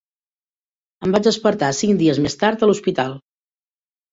Em vaig despertar cinc dies més tard a l'hospital.